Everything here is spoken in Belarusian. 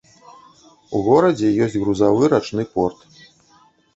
У горадзе ёсць грузавы рачны порт.